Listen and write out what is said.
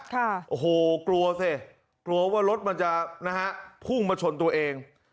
ค่ะโอ้โหกลัวสิกลัวว่ารถมันจะนะฮะพุ่งมาชนตัวเอง